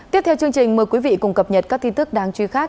tiếp theo chương trình mời quý vị cùng cập nhật các tin tức đáng chú ý khác